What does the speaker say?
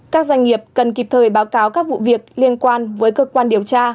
các doanh nghiệp cần kịp thời báo cáo các vụ việc liên quan với cơ quan điều tra